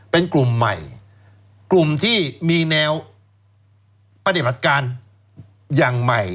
เป็นกลุ่มใหม่กลุ่มที่มีแนวปฏิบัติการอย่างใหม่